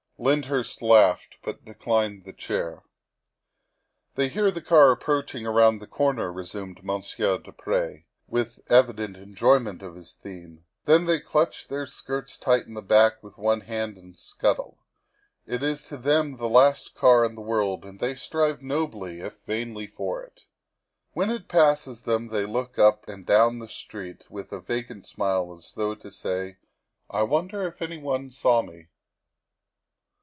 Lyndhurst laughed, but declined the chair. " They hear the car approaching around the corner," resumed Monsieur du Pre, with evident enjoyment of 140 THE WIFE OF his theme, " then they clutch their skirts tight in the back with one hand and scuttle. It is to them the last car in the world, and they strive nobly, if vainly, for it. When it passes them they look up and down the street with a vacant smile, as though to say, ' I wonder if anybody saw me